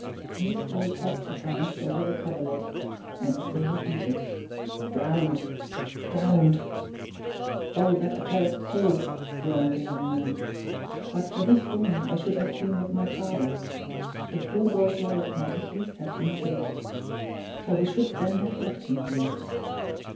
He still tossed his hands over the coverlet, and still repeated, "Drowned! drowned!" "Oh, that accursed Soule!" groaned the young man. "But for this wound I should have been with my father. The poor boy's life might at least have been saved; for we should then have left him here."